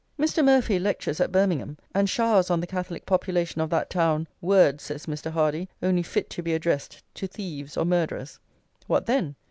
Mr. Murphy lectures at Birmingham, and showers on the Catholic population of that town "words," says Mr. Hardy, "only fit to be addressed to thieves or murderers." What then?